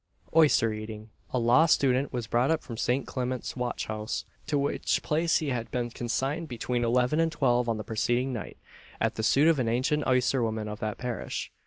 OYSTER EATING. A law student was brought up from St. Clement's watch house, to which place he had been consigned between eleven and twelve on the preceding night, at the suit of an ancient oyster woman of that parish.